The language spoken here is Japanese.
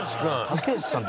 竹内さん